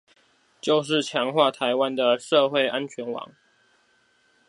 就是強化臺灣的社會安全網